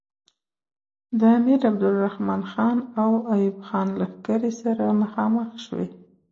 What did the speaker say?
د امیر عبدالرحمن خان او ایوب خان لښکرې سره مخامخ شوې.